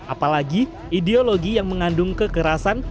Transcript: apalagi ideologi yang mengandung kekerasan